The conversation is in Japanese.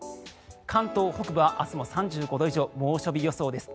関東北部は明日も３５度以上猛暑日予想です。